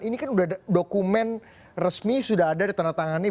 ini kan dokumen resmi sudah ada di tanda tangan ini